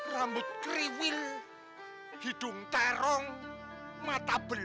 rambut kriwil hidung terong mata belok